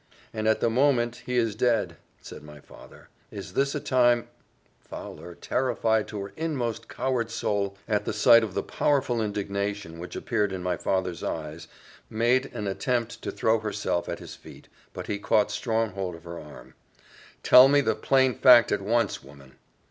"And at the moment he is dead," said my father, "is this a time " Fowler, terrified to her inmost coward soul at the sight of the powerful indignation which appeared in my father's eyes, made an attempt to throw herself at his feet, but he caught strong hold of her arm. "Tell me the plain fact at once, woman."